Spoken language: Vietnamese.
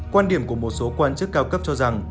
quan điểm của một số quan chức cao cấp cho rằng